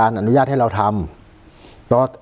ยังไม่ได้รวมถึงกรณีว่าคุณปรินาจะได้ที่ดินเพื่อการเกษตรหรือเปล่า